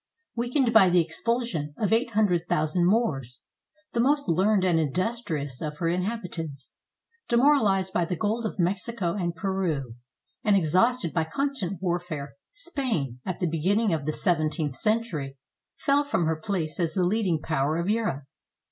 Weakened by the expulsion of 800,000 Moors, the most learned and industrious of her inhabitants, demoralized by the gold of Mexico and Peru, and exhausted by constant warfare, Spain at the beginning of the seventeenth century fell from her place as the leading power of Europe.